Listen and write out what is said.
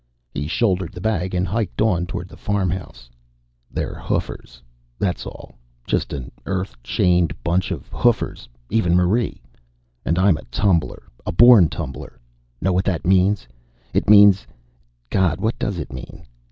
He shouldered the bag and hiked on toward the farmhouse. They're hoofers, that's all just an Earth chained bunch of hoofers, even Marie. And I'm a tumbler. A born tumbler. Know what that means? It means God, what does it mean?